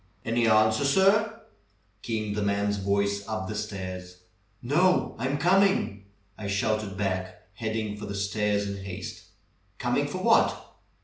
"Any answer, sir?" came the man's voice up the stairs. "No! I'm coming!" I shouted back, heading for the stairs in haste. "Coming for what?